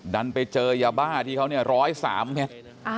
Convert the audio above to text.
ดันไปเจอยาบ้าที่เขาเนี่ย๑๐๓เมตร